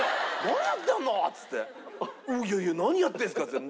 「いやいや何やってるんですか？」っつって。